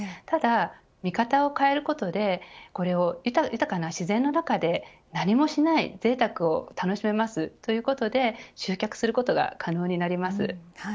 ただ、見方を変えることでこれを豊かな自然の中で何もしないぜいたくを楽しめますということで集客することが可能になります。